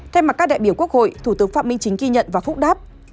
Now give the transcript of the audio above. thay mặt các đại biểu quốc hội thủ tướng phạm minh chính ghi nhận và phúc đáp